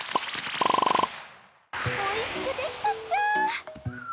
おいしくできたっちゃ。